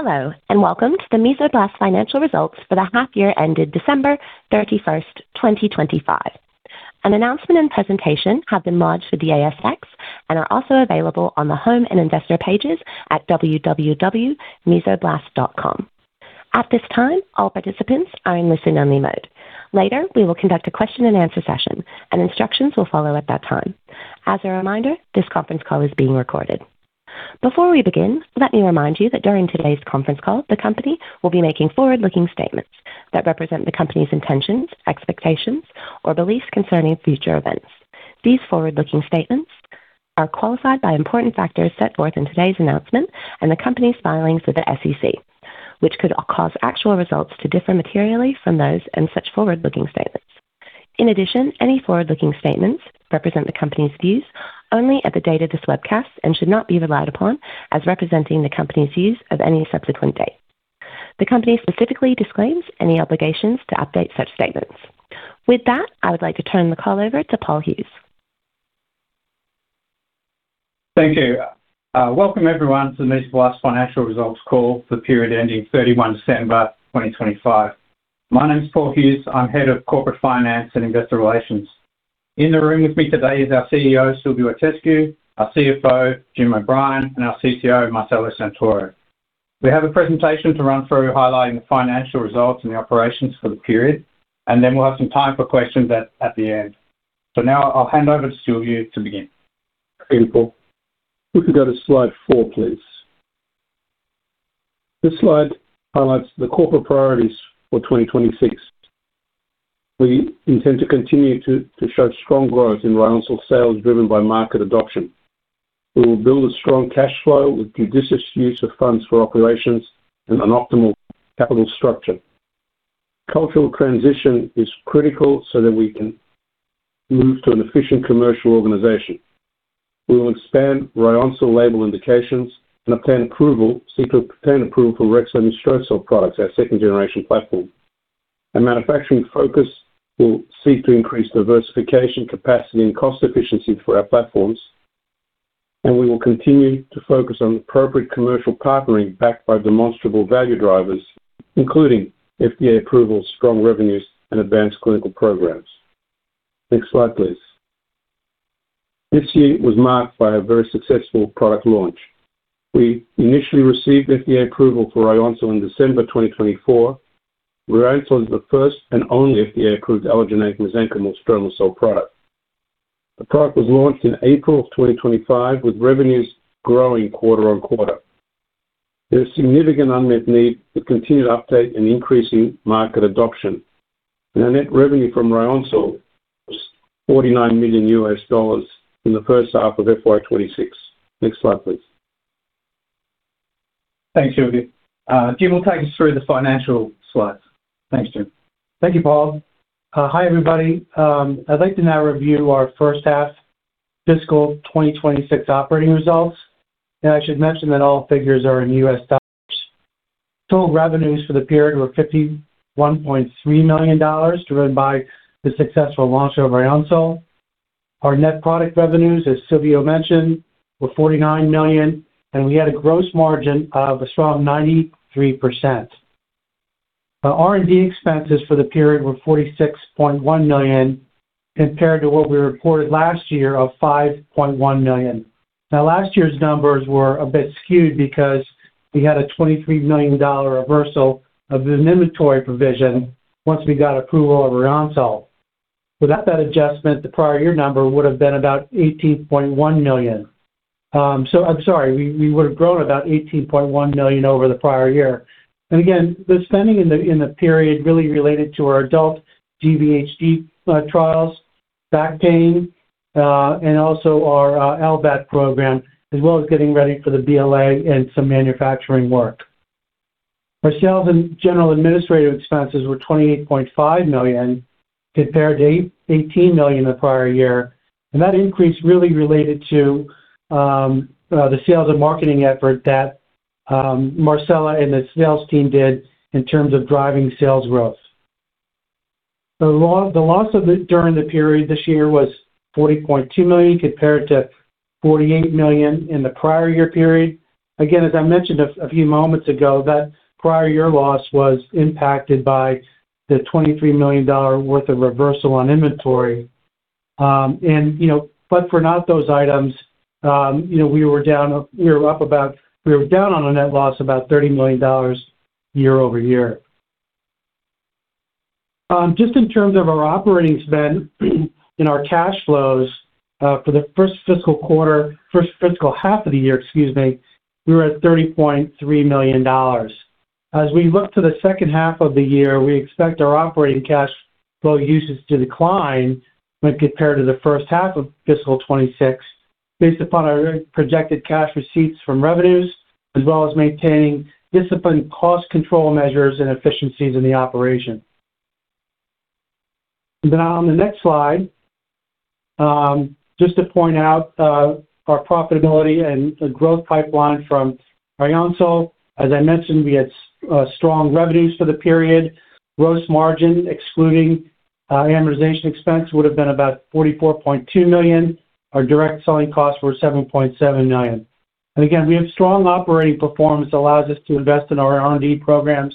Hello, and welcome to the Mesoblast financial results for the half year ended December 31st, 2025. An announcement and presentation have been lodged with the ASX and are also available on the home and investor pages at www.mesoblast.com. At this time, all participants are in listen-only mode. Later, we will conduct a question and answer session and instructions will follow at that time. As a reminder, this conference call is being recorded. Before we begin, let me remind you that during today's conference call, the company will be making forward-looking statements that represent the company's intentions, expectations or beliefs concerning future events. These forward-looking statements are qualified by important factors set forth in today's announcement and the company's filings with the SEC, which could cause actual results to differ materially from those in such forward-looking statements. In addition, any forward-looking statements represent the company's views only at the date of this webcast and should not be relied upon as representing the company's views of any subsequent date. The company specifically disclaims any obligations to update such statements. With that, I would like to turn the call over to Paul Hughes. Thank you. Welcome everyone to the Mesoblast financial results call for the period ending 31 December 2025. My name is Paul Hughes. I'm Head of Corporate Finance and Investor Relations. In the room with me today is our CEO, Silviu Itescu, our CFO, James O'Brien, and our CTO, Marcelo Santoro. We have a presentation to run through highlighting the financial results and the operations for the period, then we'll have some time for questions at the end. Now I'll hand over to Silviu to begin. Thank you, Paul. If we could go to slide four, please. This slide highlights the corporate priorities for 2026. We intend to continue to show strong growth in Ryoncil sales driven by market adoption. We will build a strong cash flow with judicious use of funds for operations and an optimal capital structure. Cultural transition is critical so that we can move to an efficient commercial organization. We will expand Ryoncil label indications and seek to obtain approval for Revascor and Ryoncil products, our second-generation platform. Our manufacturing focus will seek to increase diversification, capacity and cost efficiency for our platforms. We will continue to focus on appropriate commercial partnering backed by demonstrable value drivers, including FDA approvals, strong revenues and advanced clinical programs. Next slide, please. This year was marked by a very successful product launch. We initially received FDA approval for Ryoncil in December 2024. Ryoncil is the first and only FDA-approved allogeneic mesenchymal stromal cell product. The product was launched in April of 2025, with revenues growing quarter-on-quarter. There's significant unmet need with continued uptake and increasing market adoption. Our net revenue from Ryoncil was $49 million in the first half of FY 2026. Next slide, please. Thanks, Silviu. Jim will take us through the financial slides. Thanks, Jim. Thank you, Paul. Hi, everybody. I'd like to now review our first half fiscal 2026 operating results. I should mention that all figures are in US dollars. Total revenues for the period were $51.3 million, driven by the successful launch of Ryoncil. Our net product revenues, as Silvio mentioned, were $49 million, and we had a gross margin of a strong 93%. Our R&D expenses for the period were $46.1 million compared to what we reported last year of $5.1 million. Last year's numbers were a bit skewed because we had a $23 million reversal of an inventory provision once we got approval of Ryoncil. Without that adjustment, the prior year number would have been about $18.1 million. I'm sorry, we would have grown about $18.1 million over the prior year. Again, the spending in the period really related to our adult GVHD trials, back pain, and also our LVAD program, as well as getting ready for the BLA and some manufacturing work. Our sales and general administrative expenses were $28.5 million compared to $18 million the prior year. That increase really related to the sales and marketing effort that Marcelo and the sales team did in terms of driving sales growth. The loss of it during the period this year was $40.2 million compared to $48 million in the prior year period. Again, as I mentioned a few moments ago, that prior year loss was impacted by the $23 million worth of reversal on inventory. We were down on a net loss about $30 million year-over-year. Just in terms of our operating spend and our cash flows, for the first fiscal quarter, first fiscal half of the year, excuse me, we were at $30.3 million. As we look to the second half of the year, we expect our operating cash flow usage to decline when compared to the first half of fiscal 2026, based upon our projected cash receipts from revenues, as well as maintaining disciplined cost control measures and efficiencies in the operation. On the next slide, just to point out, our profitability and the growth pipeline from Ryoncil. As I mentioned, we had strong revenues for the period. Gross margin Our amortization expense would have been about $44.2 million. Our direct selling costs were $7.7 million. Again, we have strong operating performance allows us to invest in our R&D programs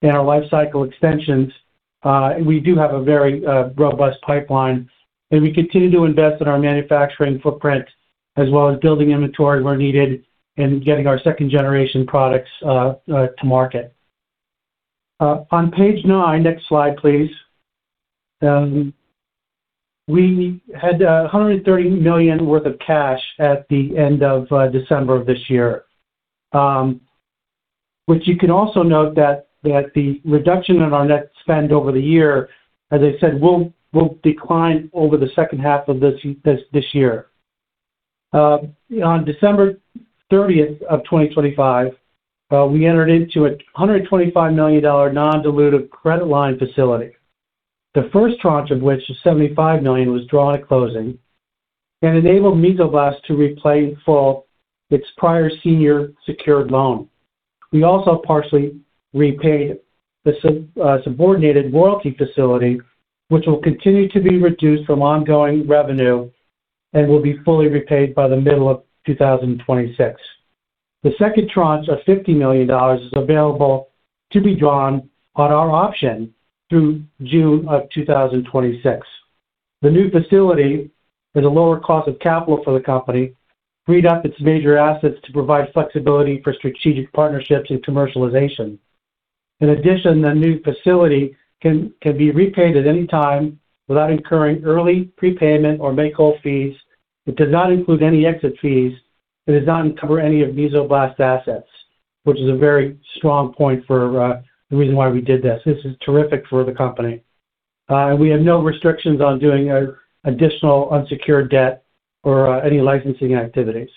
and our life cycle extensions. We do have a very robust pipeline, and we continue to invest in our manufacturing footprint as well as building inventory where needed and getting our second-generation products to market. On page nine, next slide, please. We had $130 million worth of cash at the end of December of this year. Which you can also note that the reduction in our net spend over the year, as I said, will decline over the second half of this year. On December 30, 2025, we entered into a $125 million non-dilutive credit line facility. The first tranche of which, the $75 million, was drawn at closing and enabled Mesoblast to replay in full its prior senior secured loan. We also partially repaid the subordinated royalty facility, which will continue to be reduced from ongoing revenue and will be fully repaid by the middle of 2026. The second tranche of $50 million is available to be drawn on our option through June of 2026. The new facility is a lower cost of capital for the company, freed up its major assets to provide flexibility for strategic partnerships and commercialization. The new facility can be repaid at any time without incurring early prepayment or make-whole fees. It does not include any exit fees. It does not cover any of Mesoblast's assets, which is a very strong point for the reason why we did this. This is terrific for the company. We have no restrictions on doing additional unsecured debt or any licensing activities.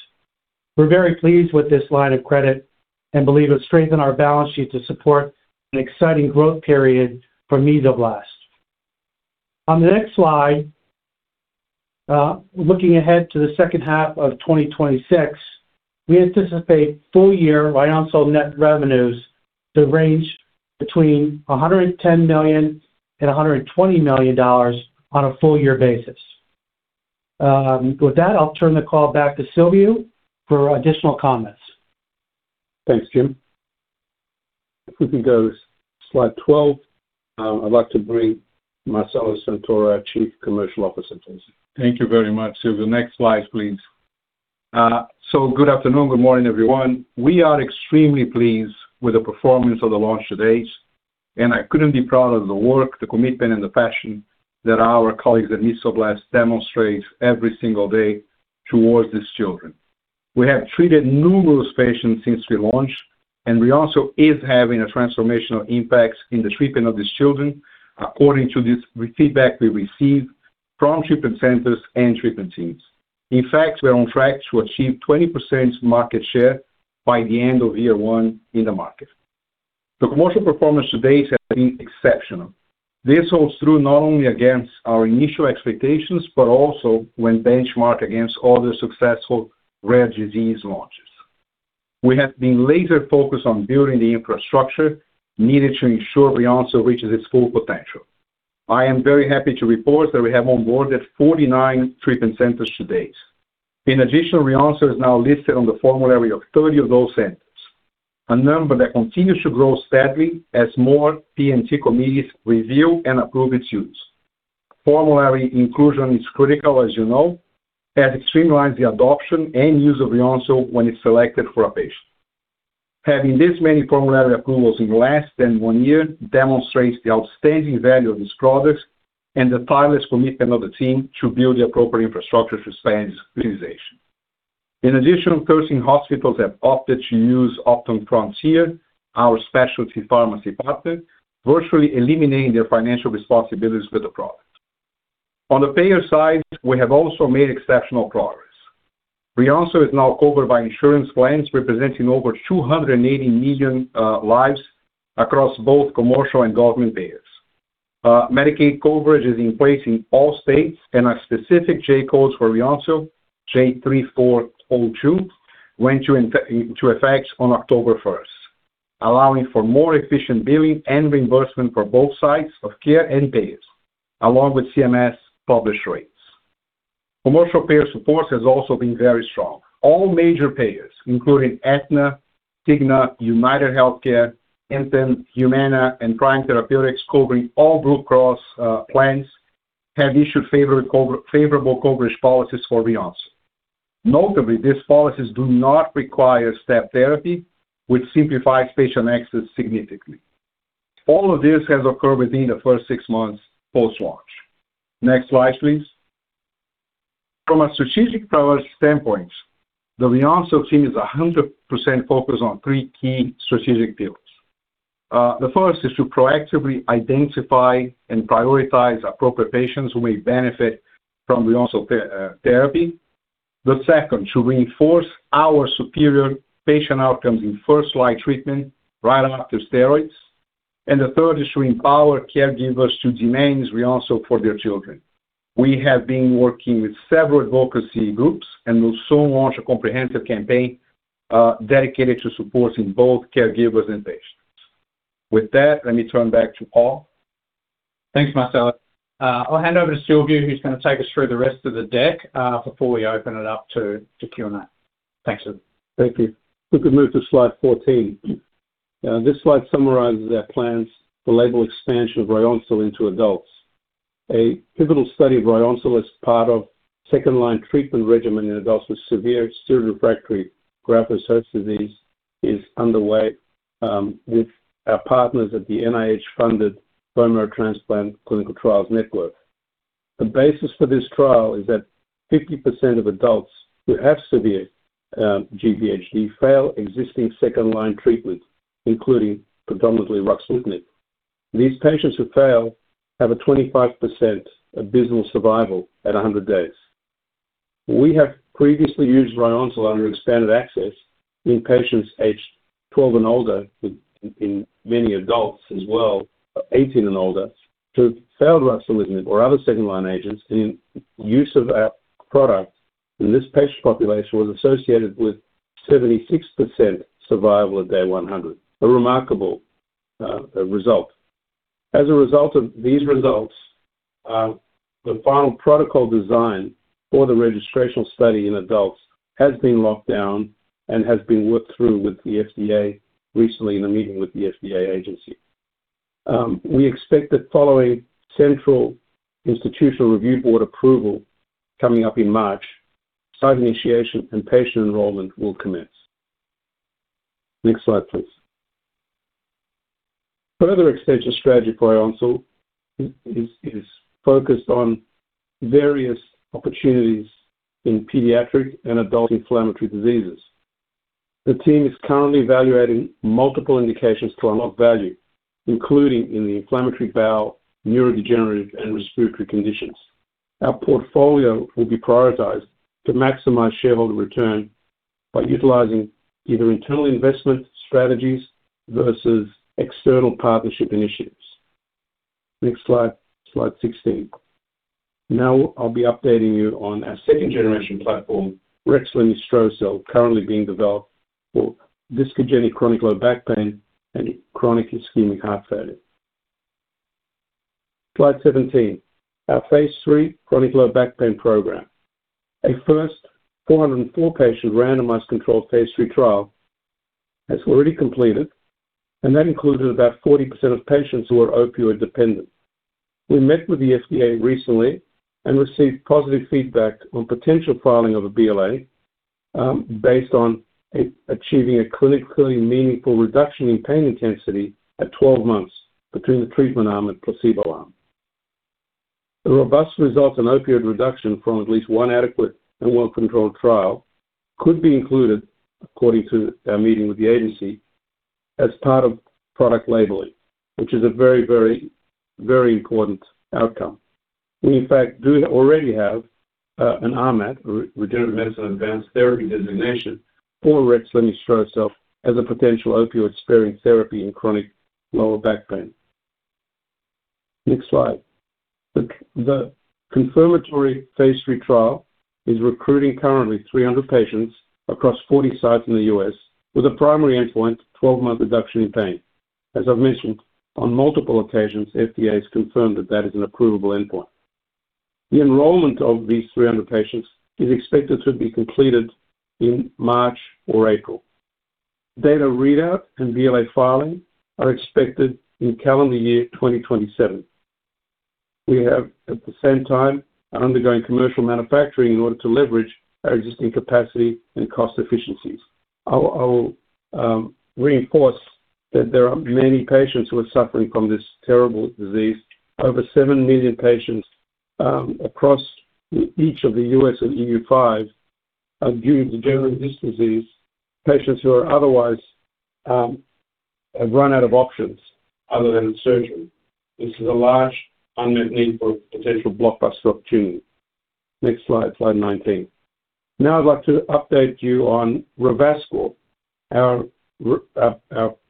We're very pleased with this line of credit and believe it'll strengthen our balance sheet to support an exciting growth period for Mesoblast. On the next slide, looking ahead to the second half of 2026, we anticipate full year Ryoncil net revenues to range between $110 million and $120 million on a full year basis. With that, I'll turn the call back to Silviu for additional comments. Thanks, Jim. If we can go slide 12, I'd like to bring Marcelo Santoro, our Chief Commercial Officer. Please. Thank you very much, Silviu. Next slide, please. Good afternoon, good morning, everyone. We are extremely pleased with the performance of the launch to date, and I couldn't be prouder of the work, the commitment, and the passion that our colleagues at Mesoblast demonstrate every single day towards these children. We have treated numerous patients since we launched, and we also is having a transformational impact in the treatment of these children, according to this re-feedback we received from treatment centers and treatment teams. In fact, we're on track to achieve 20% market share by the end of year 1 in the market. The commercial performance to date has been exceptional. This holds true not only against our initial expectations, but also when benchmarked against other successful rare disease launches. We have been laser-focused on building the infrastructure needed to ensure Ryoncil reaches its full potential. I am very happy to report that we have onboarded 49 treatment centers to date. Ryoncil is now listed on the formulary of 30 of those centers, a number that continues to grow steadily as more P&T committees review and approve its use. Formulary inclusion is critical, as you know, as it streamlines the adoption and use of Ryoncil when it's selected for a patient. Having this many formulary approvals in less than one year demonstrates the outstanding value of this product and the tireless commitment of the team to build the appropriate infrastructure to expand its utilization. 30 hospitals have opted to use Optum Frontier, our specialty pharmacy partner, virtually eliminating their financial responsibilities for the product. On the payer side, we have also made exceptional progress. Ryoncil is now covered by insurance plans representing over 280 million lives across both commercial and government payers. Medicaid coverage is in place in all states, and a specific J-code for Ryoncil, J3402, went into effect on October 1st, allowing for more efficient billing and reimbursement for both sides of care and payers, along with CMS published rates. Commercial payer support has also been very strong. All major payers, including Aetna, Cigna, UnitedHealthcare, Anthem, Humana, and Prime Therapeutics covering all Blue Cross plans, have issued favorable coverage policies for Ryoncil. Notably, these policies do not require step therapy, which simplifies patient access significantly. All of this has occurred within the first six months post-launch. Next slide, please. From a strategic priority standpoint, the Ryoncil team is 100% focused on three key strategic pillars. The first is to proactively identify and prioritize appropriate patients who may benefit from Ryoncil therapy. The second, to reinforce our superior patient outcomes in first-line treatment right after steroids. The third is to empower caregivers to demand Ryoncil for their children. We have been working with several advocacy groups and will soon launch a comprehensive campaign Dedicated to supporting both caregivers and patients. With that, let me turn back to Paul. Thanks, Marcel. I'll hand over to Silviu, who's gonna take us through the rest of the deck, before we open it up to Q&A. Thanks. Thank you. We can move to slide 14. This slide summarizes our plans for label expansion of Ryoncil into adults. A pivotal study of Ryoncil as part of second-line treatment regimen in adults with severe steroid-refractory graft-versus-host disease is underway with our partners at the NIH-funded Blood and Marrow Transplant Clinical Trials Network. The basis for this trial is that 50% of adults who have severe GvHD fail existing second-line treatments, including predominantly ruxolitinib. These patients who fail have a 25% abysmal survival at 100 days. We have previously used Ryoncil under expanded access in patients aged 12 and older, in many adults as well, 18 and older, who failed ruxolitinib or other second-line agents in use of our product in this patient population was associated with 76% survival at day 100, a remarkable result. As a result of these results, the final protocol design for the registrational study in adults has been locked down and has been worked through with the FDA recently in a meeting with the FDA agency. We expect that following central institutional review board approval coming up in March, site initiation and patient enrollment will commence. Next slide, please. Further extension strategy for Ryoncil is focused on various opportunities in pediatric and adult inflammatory diseases. The team is currently evaluating multiple indications to unlock value, including in the inflammatory bowel, neurodegenerative, and respiratory conditions. Our portfolio will be prioritized to maximize shareholder return by utilizing either internal investment strategies versus external partnership initiatives. Next slide 16. Now I'll be updating you on our second-generation platform, rexlemestrocel-L, currently being developed for chronic discogenic low back pain and chronic ischemic heart failure. Slide 17, our phase III chronic low back pain program. A first 404 patient randomized controlled phase III trial has already completed, and that included about 40% of patients who are opioid-dependent. We met with the FDA recently received positive feedback on potential filing of a BLA, based on achieving a clinically meaningful reduction in pain intensity at 12 months between the treatment arm and placebo arm. The robust results in opioid reduction from at least one adequate and well-controlled trial could be included, according to our meeting with the agency, as part of product labeling, which is a very, very, very important outcome. We in fact do already have an RMAT, Regenerative Medicine Advanced Therapy Designation for rexlemestrocel-L as a potential opioid-sparing therapy in chronic lower back pain. Next slide. The confirmatory phase III trial is recruiting currently 300 patients across 40 sites in the U.S. with a primary endpoint, 12-month reduction in pain. As I've mentioned on multiple occasions, FDA has confirmed that that is an approvable endpoint. The enrollment of these 300 patients is expected to be completed in March or April. Data readout and BLA filing are expected in calendar year 2027. We have, at the same time, are undergoing commercial manufacturing in order to leverage our existing capacity and cost efficiencies. I'll reinforce that there are many patients who are suffering from this terrible disease. Over 7 million patients, across each of the U.S. and EU 5 are due to degenerative disc disease, patients who are otherwise, have run out of options other than surgery. This is a large unmet need for a potential blockbuster opportunity. Next slide 19. Now I'd like to update you on Revascor, our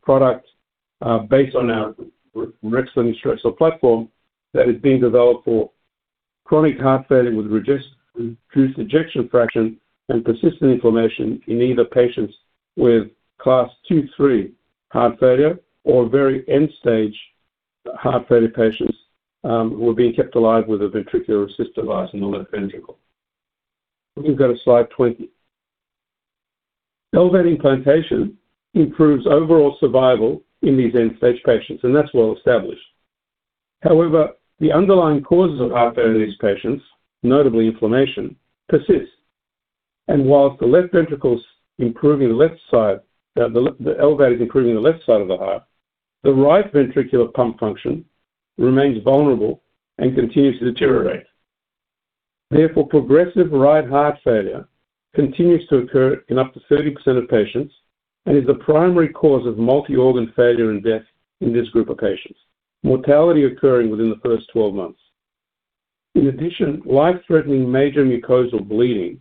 product based on our rexlemestrocel-L platform that is being developed for chronic heart failure with reduced ejection fraction and persistent inflammation in either patients with class two, three heart failure or very end-stage heart failure patients who are being kept alive with a ventricular assist device in the left ventricle. We can go to slide 20. LVAD implantation improves overall survival in these end-stage patients, and that's well-established. However, the underlying causes of heart failure in these patients, notably inflammation, persist. Whilst the left ventricle's improving the left side, the LVAD is improving the left side of the heart, the right ventricular pump function remains vulnerable and continues to deteriorate. Progressive right heart failure continues to occur in up to 30% of patients and is the primary cause of multi-organ failure and death in this group of patients, mortality occurring within the first 12 months. In addition, life-threatening major mucosal bleeding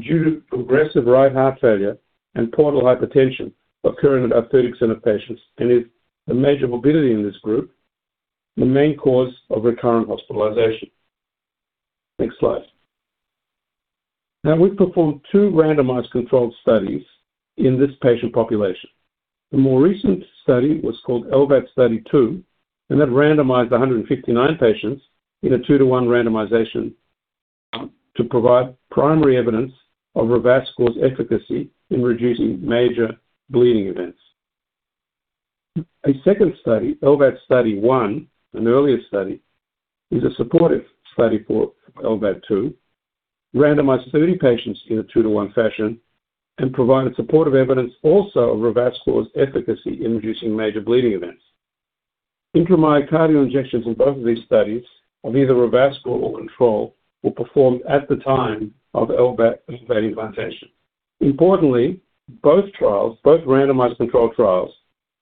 due to progressive right heart failure and portal hypertension occurring in up to 30% of patients and is a major morbidity in this group, the main cause of recurrent hospitalization. Next slide. We've performed two randomized controlled studies in this patient population. The more recent study was called LVAD study two, and that randomized 159 patients in a 2-to-1 randomization to provide primary evidence of Revascor's efficacy in reducing major bleeding events. A second study, LVAD study one, an earlier study, is a supportive study for LVAD 2, randomized 30 patients in a 2-to-1 fashion and provided supportive evidence also of Revascor's efficacy in reducing major bleeding events. Intramyocardial injections in both of these studies of either Revascor or control were performed at the time of LVAD implantation. Importantly, both trials, both randomized controlled trials,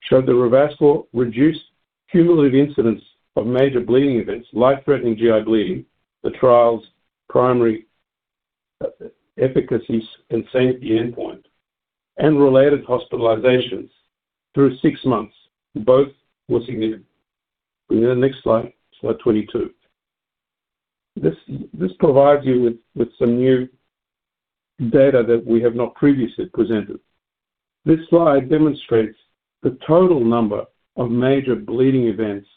showed that Revascor reduced cumulative incidents of major bleeding events, life-threatening GI bleeding, the trial's primary efficacy and safety endpoint, and related hospitalizations through 6 months. Both were significant. Can we go to the next slide? Slide 22. This provides you with some new data that we have not previously presented. This slide demonstrates the total number of major bleeding events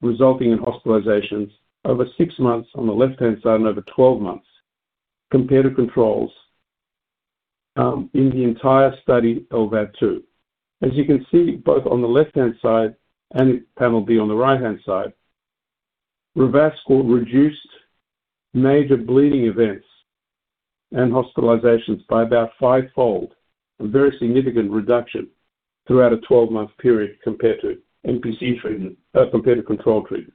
resulting in hospitalizations over six months on the left-hand side and over 12 months compared to controls, in the entire study, LVAD 2. As you can see both on the left-hand side and panel B on the right-hand side, Revascor reduced major bleeding events and hospitalizations by about five-fold. A very significant reduction throughout a 12-month period compared to MPC treatment, compared to control treatment.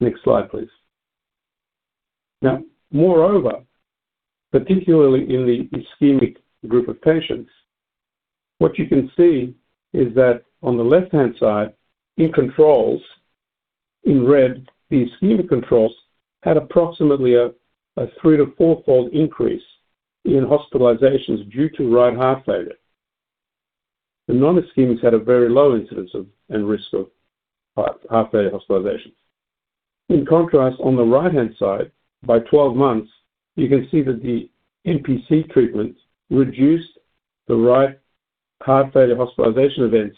Next slide, please. Moreover, particularly in the ischemic group of patients, what you can see is that on the left-hand side, in controls, in red, the ischemic controls had approximately a three to four-fold increase in hospitalizations due to right heart failure. The non-ischemic had a very low incidence of and risk of heart failure hospitalizations. In contrast, on the right-hand side, by 12 months, you can see that the MPC treatments reduced the right heart failure hospitalization events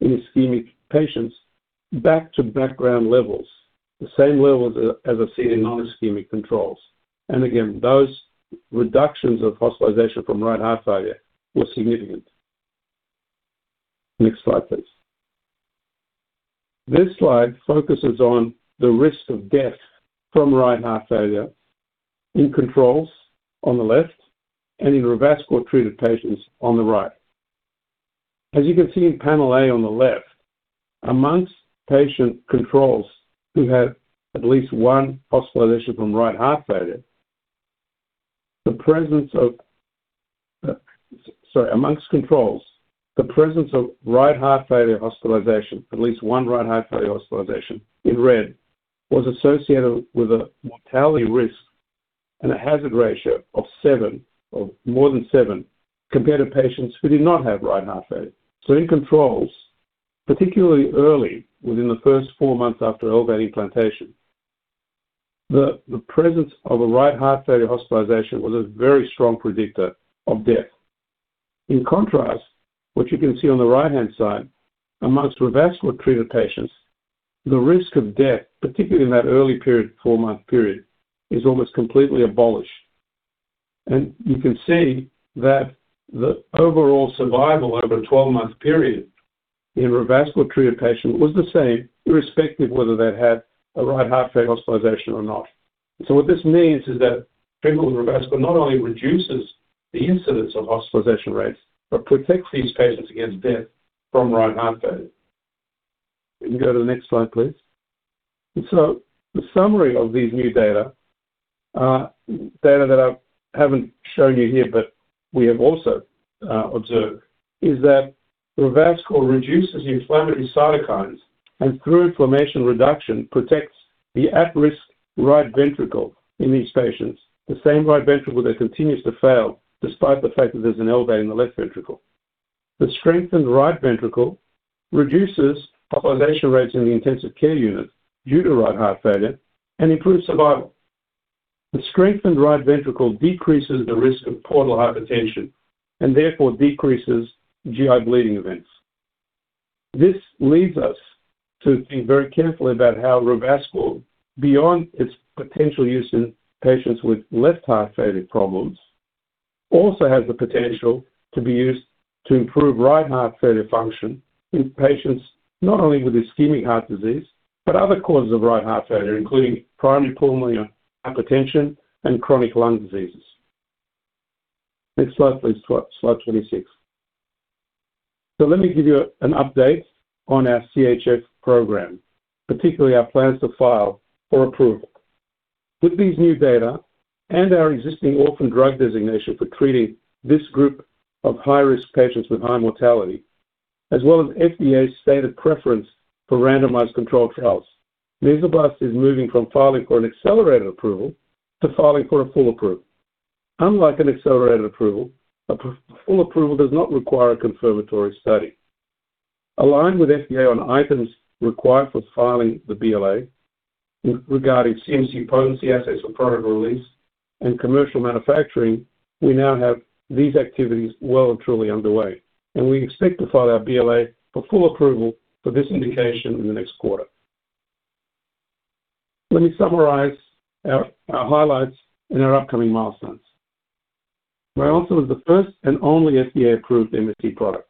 in ischemic patients back to background levels. The same levels as are seen in non-ischemic controls. Again, those reductions of hospitalization from right heart failure were significant. Next slide, please. This slide focuses on the risk of death from right heart failure in controls on the left and in Revascor-treated patients on the right. As you can see in panel A on the left, amongst patient controls who had at least one hospitalization from right heart failure, the presence of sorry. Amongst controls, the presence of right heart failure hospitalization, at least one right heart failure hospitalization in red, was associated with a mortality risk and a hazard ratio of seven or more than seven compared to patients who did not have right heart failure. In controls, particularly early within the first four months after LVAD implantation, the presence of a right heart failure hospitalization was a very strong predictor of death. In contrast, what you can see on the right-hand side, amongst Revascor-treated patients, the risk of death, particularly in that early period, four-month period, is almost completely abolished. You can see that the overall survival over a 12-month period in Revascor-treated patients was the same irrespective whether they had a right heart failure hospitalization or not. What this means is that treatment with Revascor not only reduces the incidence of hospitalization rates but protects these patients against death from right heart failure. Can you go to the next slide, please? The summary of these new data that I haven't shown you here but we have also observed, is that Revascor reduces inflammatory cytokines and through inflammation reduction protects the at-risk right ventricle in these patients. The same right ventricle that continues to fail despite the fact that there's an LVAD in the left ventricle. The strengthened right ventricle reduces hospitalization rates in the intensive care unit due to right heart failure and improves survival. The strengthened right ventricle decreases the risk of portal hypertension and therefore decreases GI bleeding events. This leads us to think very carefully about how Revascor, beyond its potential use in patients with left heart failure problems, also has the potential to be used to improve right heart failure function in patients not only with ischemic heart disease, but other causes of right heart failure, including primary pulmonary hypertension and chronic lung diseases. Next slide, please. Slide 26. Let me give you an update on our CHF program, particularly our plans to file for approval. With these new data and our existing orphan drug designation for treating this group of high-risk patients with high mortality, as well as FDA's stated preference for randomized controlled trials, Mesoblast is moving from filing for an accelerated approval to filing for a full approval. Unlike an accelerated approval, a full approval does not require a confirmatory study. Aligned with FDA on items required for filing the BLA regarding CMC potency, assays, and product release and commercial manufacturing, we now have these activities well and truly underway. We expect to file our BLA for full approval for this indication in the next quarter. Let me summarize our highlights and our upcoming milestones. Ryoncil is the first and only FDA-approved MSC product.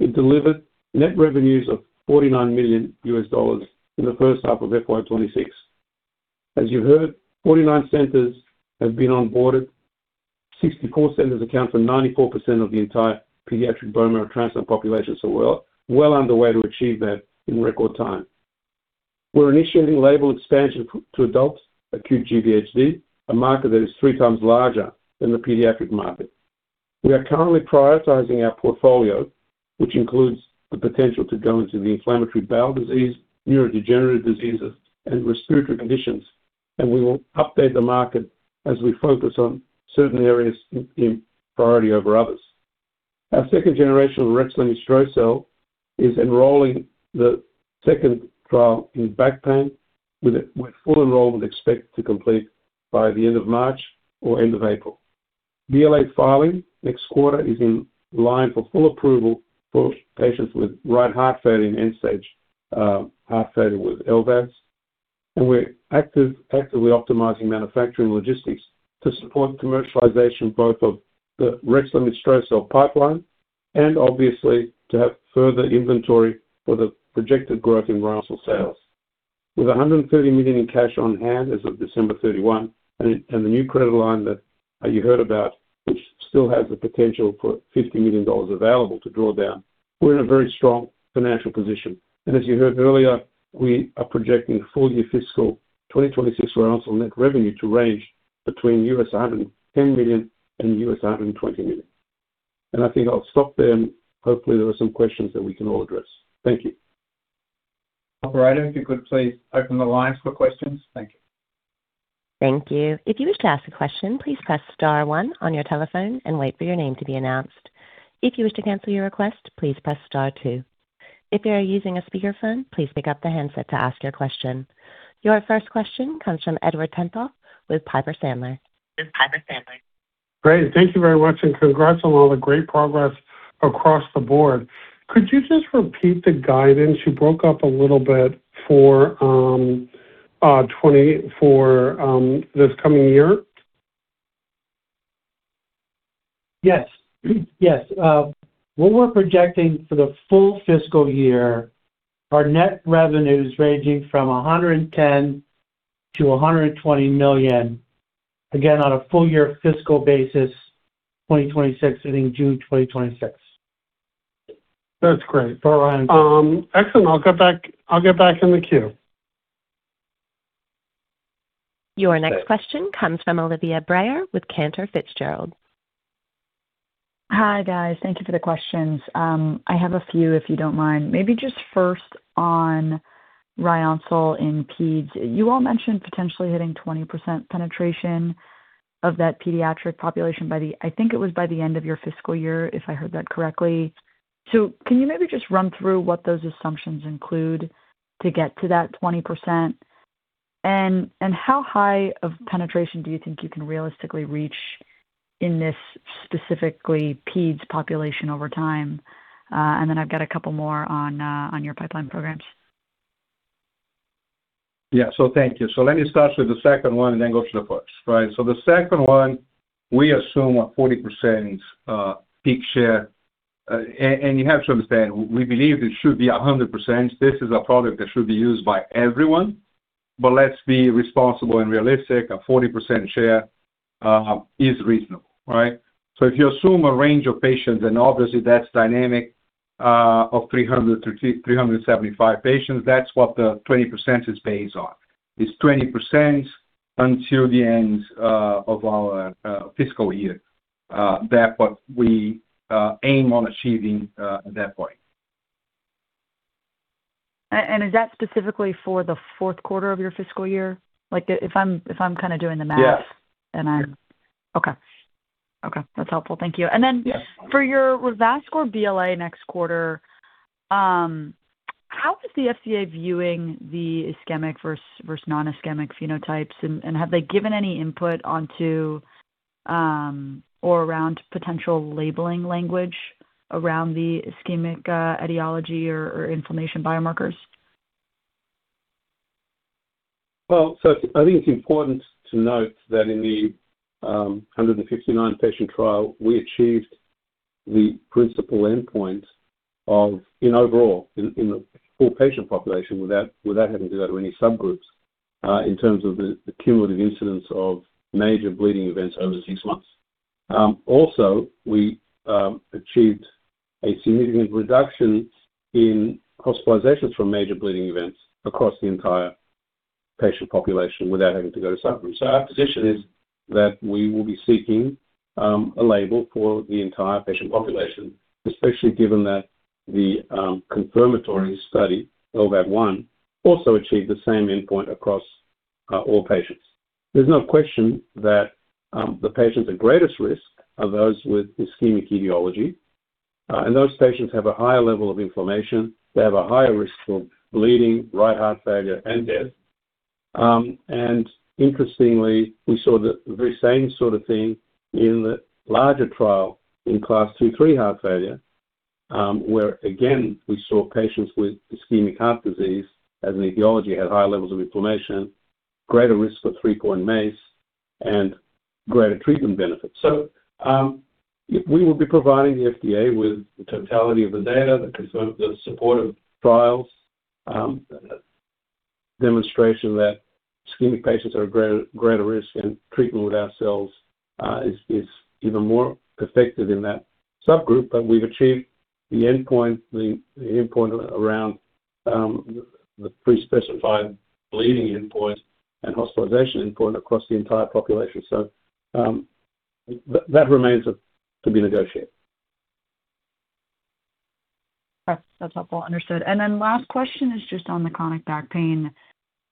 It delivered net revenues of $49 million in the first half of FY 2026. As you heard, 49 centers have been onboarded. 64 centers account for 94% of the entire pediatric bone marrow transplant population, we're well underway to achieve that in record time. We're initiating label expansion to adults, acute GVHD, a market that is three times larger than the pediatric market. We are currently prioritizing our portfolio, which includes the potential to go into the inflammatory bowel disease, neurodegenerative diseases, and respiratory conditions, and we will update the market as we focus on certain areas in priority over others. Our second generation of rexlemestrocel-L is enrolling the second trial in back pain, with full enrollment expected to complete by the end of March or end of April. BLA filing next quarter is in line for full approval for patients with right heart failure and end-stage heart failure with LVADs. And we're actively optimizing manufacturing logistics to support commercialization, both of the rexlemestrocel-L pipeline and obviously to have further inventory for the projected growth in Ryoncil sales. With $130 million in cash on-hand as of December 31 and the new credit line that you heard about, which still has the potential for $50 million available to draw down, we're in a very strong financial position. As you heard earlier, we are projecting full year fiscal 2026 Ryoncil net revenue to range between $110 million and $120 million. I think I'll stop there, and hopefully there are some questions that we can all address. Thank you. Operator, if you could please open the lines for questions. Thank you. Thank you. If you wish to ask a question, please press star one on your telephone and wait for your name to be announced. If you wish to cancel your request, please press star two. If you are using a speakerphone, please pick up the handset to ask your question. Your first question comes from Edward Tenthoff with Piper Sandler. Great. Thank you very much. Congrats on all the great progress across the board. Could you just repeat the guidance? You broke up a little bit for this coming year. Yes. Yes. What we're projecting for the full fiscal year, our net revenue's ranging from $110 million-$120 million, again, on a full year fiscal basis, 2026, ending June 2026. That's great. All right. Excellent. I'll get back in the queue. Your next question comes from Olivia Brayer with Cantor Fitzgerald. Hi, guys. Thank you for the questions. I have a few, if you don't mind. Maybe just first on Ryoncil in peds. You all mentioned potentially hitting 20% penetration of that pediatric population by the... I think it was by the end of your fiscal year, if I heard that correctly. Can you maybe just run through what those assumptions include to get to that 20%? How high of penetration do you think you can realistically reach in this specifically peds population over time? Then I've got two more on your pipeline programs. Yeah. Thank you. Let me start with the second one and then go to the first, right? The second one, we assume a 40% peak share. You have to understand, we believe it should be 100%. This is a product that should be used by everyone. Let's be responsible and realistic. A 40% share is reasonable, right? If you assume a range of patients, and obviously that's dynamic, of 300 patients-375 patients, that's what the 20% is based on. It's 20% until the end of our fiscal year. That what we aim on achieving at that point. Is that specifically for the fourth quarter of your fiscal year? Like if I'm kinda doing the math. Yes. Okay. Okay, that's helpful. Thank you. Yes. For your Revascor BLA next quarter, how is the FDA viewing the ischemic versus non-ischemic phenotypes? Have they given any input onto, or around potential labeling language around the ischemic etiology or inflammation biomarkers? Well, I think it's important to note that in the 159 patient trial, we achieved the principal endpoint in the full patient population without having to go to any subgroups in terms of the cumulative incidence of major bleeding events over six months. Also we achieved a significant reduction in hospitalizations from major bleeding events across the entire patient population without having to go to subgroups. Our position is that we will be seeking a label for the entire patient population, especially given that the confirmatory study, LVAD 1, also achieved the same endpoint across all patients. There's no question that the patients at greatest risk are those with ischemic etiology. Those patients have a higher level of inflammation. They have a higher risk for bleeding, right heart failure, and death. Interestingly, we saw the very same sort of thing in the larger trial in Class two three heart failure, where again, we saw patients with ischemic heart disease as an etiology, had higher levels of inflammation, greater risk for three-point MACE, and greater treatment benefit. We will be providing the FDA with the totality of the data that comes out of the supportive trials, demonstration that ischemic patients are at greater risk, and treatment with ourselves, is even more effective in that subgroup. We've achieved the endpoint, the endpoint around the pre-specified bleeding endpoint and hospitalization endpoint across the entire population. That remains to be negotiated. That's helpful. Understood. Then last question is just on the chronic back pain.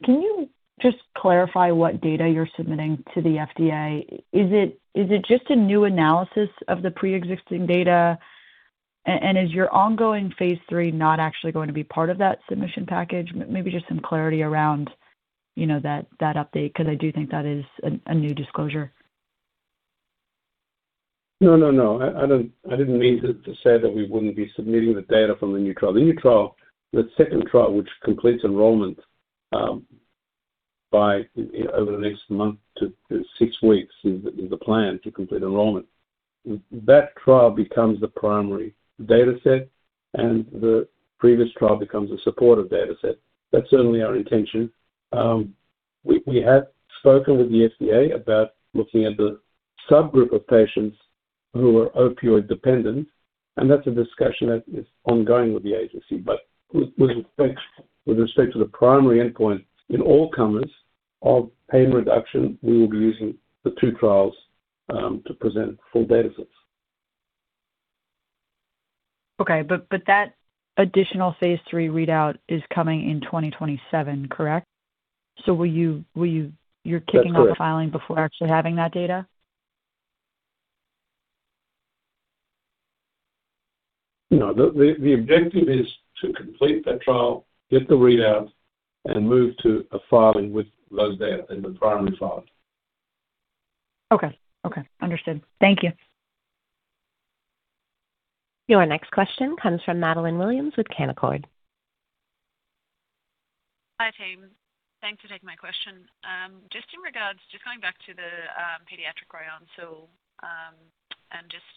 Can you just clarify what data you're submitting to the FDA? Is it just a new analysis of the pre-existing data? Is your ongoing phase III not actually going to be part of that submission package? Maybe just some clarity around, you know, that update, 'cause I do think that is a new disclosure. No, no. I didn't mean to say that we wouldn't be submitting the data from the new trial. The new trial, the second trial, which completes enrollment over the next month to six weeks is the plan to complete enrollment. That trial becomes the primary dataset. The previous trial becomes a supportive dataset. That's certainly our intention. We have spoken with the FDA about looking at the subgroup of patients who are opioid-dependent. That's a discussion that is ongoing with the agency. With respect to the primary endpoint in all comers of pain reduction, we will be using the two trials to present full datasets. Okay. That additional phase III readout is coming in 2027, correct? Will you... That's correct. You're kicking off the filing before actually having that data? No. The objective is to complete that trial, get the readouts, and move to a filing with those data in the primary file. Okay. Okay. Understood. Thank you. Your next question comes from Madeleine Williams with Canaccord. Hi, team. Thanks for taking my question. Just in regards, just coming back to the pediatric Ryoncil, and just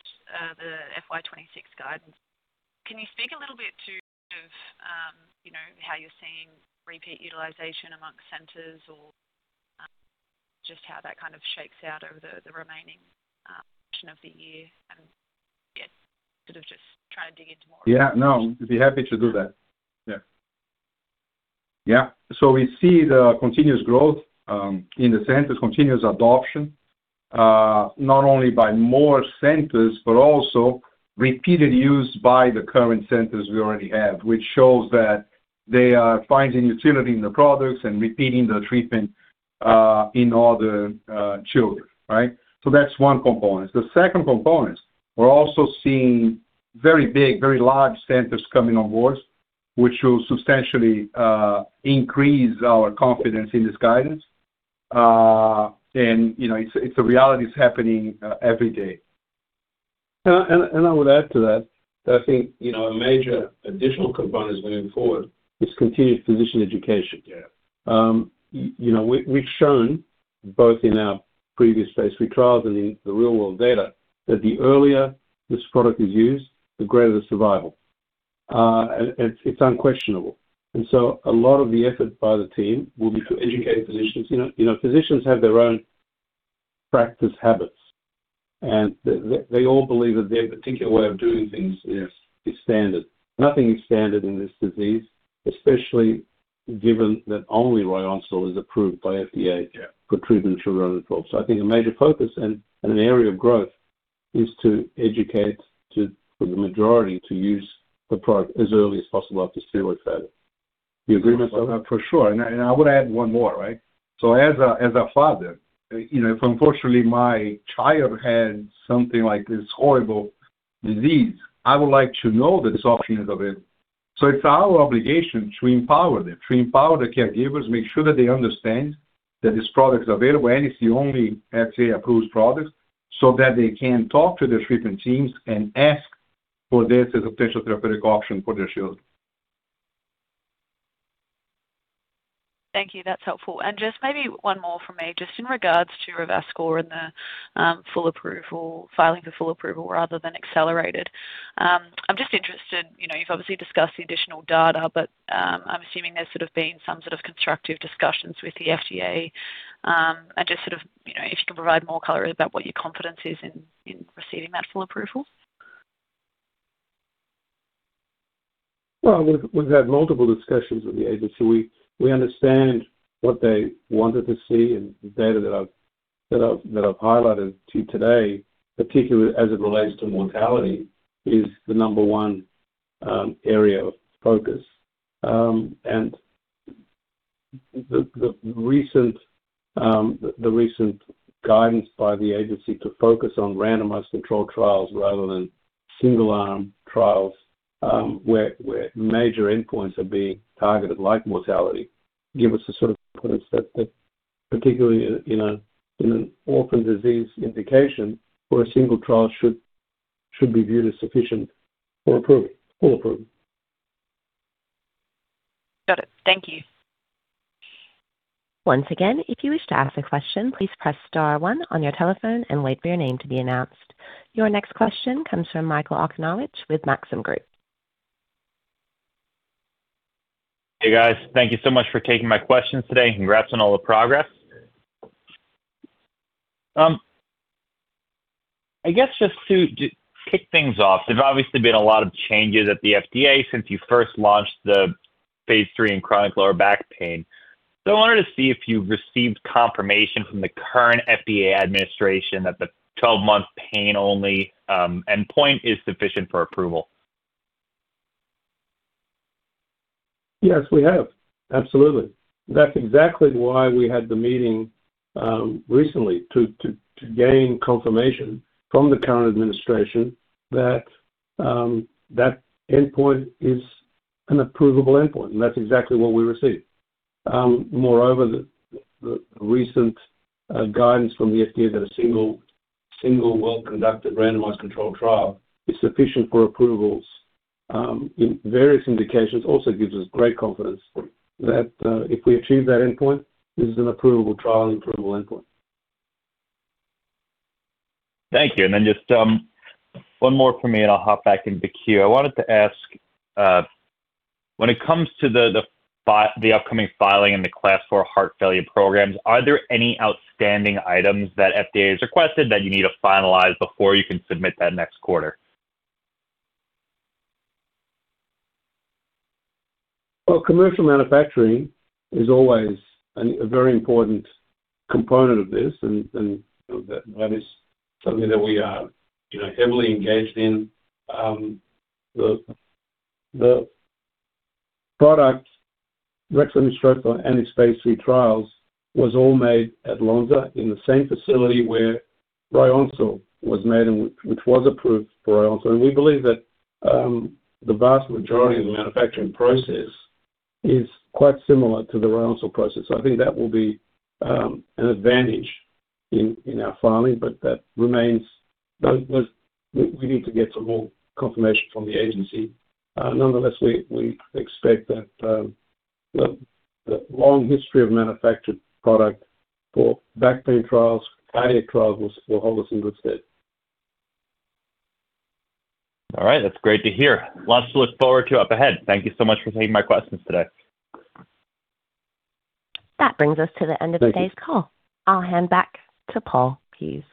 the FY 2026 guidance. Can you speak a little bit to, you know, how you're seeing repeat utilization amongst centers or, just how that kind of shakes out over the remaining portion of the year and get sort of just trying to dig into more? Yeah. No, I'd be happy to do that. Yeah. Yeah. We see the continuous growth in the centers, continuous adoption, not only by more centers, but also repeated use by the current centers we already have, which shows that they are finding utility in the products and repeating the treatment in other children, right? That's one component. The second component, we're also seeing very big, very large centers coming on board, which will substantially increase our confidence in this guidance. You know, it's a reality. It's happening every day. I would add to that I think, you know, a major additional component as moving forward is continued physician education. Yeah. You know, we've shown both in our previous phase III trials and in the real-world data that the earlier this product is used, the greater the survival. It's, it's unquestionable. A lot of the effort by the team will be to educate physicians. You know, physicians have their own practice habits, and they all believe that their particular way of doing things. Yes is standard. Nothing is standard in this disease, especially given that only Ryoncil is approved by FDA- Yeah ...for treatment in children under 12. I think a major focus and an area of growth is to educate for the majority to use the product as early as possible after serious failure. Do you agree with that? For sure. I would add one more, right? As a father, you know, if unfortunately my child had something like this horrible disease, I would like to know the softness of it. It's our obligation to empower them, to empower the caregivers, make sure that they understand that this product is available, and it's the only FDA-approved product, so that they can talk to the treatment teams and ask for this as a potential therapeutic option for their children. Thank you. That's helpful. Just maybe one more from me, just in regards to Revascor and the full approval, filing for full approval rather than accelerated. I'm just interested, you know, you've obviously discussed the additional data. I'm assuming there's sort of been some sort of constructive discussions with the FDA, and just sort of, you know, if you can provide more color about what your confidence is in receiving that full approval. Well, we've had multiple discussions with the agency. We understand what they wanted to see and the data that I've highlighted to you today, particularly as it relates to mortality, is the number one area of focus. The recent guidance by the agency to focus on randomized controlled trials rather than single arm trials, where major endpoints are being targeted, like mortality, give us the sort of confidence that particularly in an orphan disease indication where a single trial should be viewed as sufficient for approval or approved. Got it. Thank you. Once again, if you wish to ask a question, please press star one on your telephone and wait for your name to be announced. Your next question comes from Michael Okunewitch with Maxim Group. Hey, guys. Thank you so much for taking my questions today. Congrats on all the progress. I guess just to kick things off, there's obviously been a lot of changes at the FDA since you first launched the phase III in chronic lower back pain. I wanted to see if you've received confirmation from the current FDA administration that the 12-month pain only endpoint is sufficient for approval. Yes, we have. Absolutely. That's exactly why we had the meeting recently to gain confirmation from the current administration that endpoint is an approvable endpoint, and that's exactly what we received. Moreover, the recent guidance from the FDA that a single well-conducted randomized controlled trial is sufficient for approvals in various indications also gives us great confidence that if we achieve that endpoint, this is an approvable trial and approvable endpoint. Thank you. Just one more from me, and I'll hop back into queue. I wanted to ask, when it comes to the upcoming filing in the Class 4 heart failure programs, are there any outstanding items that FDA has requested that you need to finalize before you can submit that next quarter? Well, commercial manufacturing is always a very important component of this, that is something that we are, you know, heavily engaged in. The product rexlemestrocel-L and its phase III trials was all made at Lonza in the same facility where Ryoncil was made and which was approved for Ryoncil. We believe that the vast majority of the manufacturing process is quite similar to the Ryoncil process. I think that will be an advantage in our filing, but that remains... We need to get some more confirmation from the agency. Nonetheless, we expect that the long history of manufactured product for back pain trials, failure trials will hold us in good stead. All right. That's great to hear. Lots to look forward to up ahead. Thank you so much for taking my questions today. That brings us to the end of today's call. Thank you. I'll hand back to Paul. Pease.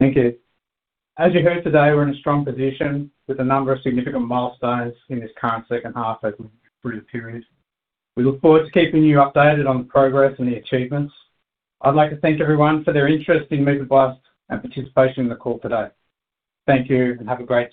Thank you. As you heard today, we're in a strong position with a number of significant milestones in this current second half of the approval period. We look forward to keeping you updated on the progress and the achievements. I'd like to thank everyone for their interest in Mesoblast and participation in the call today. Thank you, and have a great day.